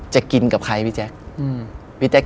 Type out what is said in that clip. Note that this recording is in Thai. จะกินกับใครพี่แจ๊ค